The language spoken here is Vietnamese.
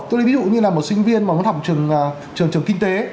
tôi đi ví dụ như là một sinh viên mà học trường kinh tế